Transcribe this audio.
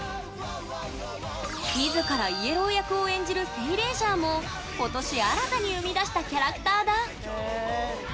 みずからイエロー役を演じるセイレイジャーも今年、新たに生み出したキャラクターだ。